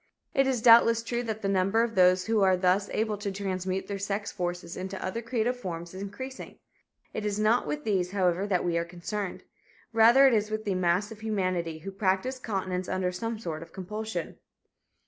It is doubtless true that the number of those who are thus able to transmute their sex forces into other creative forms is increasing. It is not with these, however, that we are concerned. Rather it is with the mass of humanity, who practice continence under some sort of compulsion.